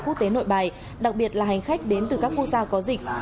quốc tế nội bài đặc biệt là hành khách đến từ các quốc gia có dịch